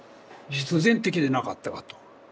必然的でなかったかと。